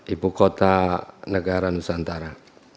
ibu kota negara nusantara